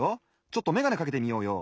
ちょっとめがねかけてみようよ。